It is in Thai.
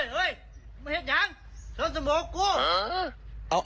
เฮ้ยมันเห็นยังสวนสมโอกละคร